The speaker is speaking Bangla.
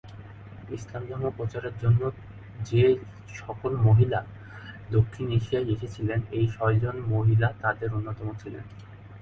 ইসলাম ধর্ম প্রচার করার জন্য যে সকল মহিলা দক্ষিণ এশিয়ায় এসেছিলেন এই ছয়জন মহিলা তাদের অন্যতম ছিলেন।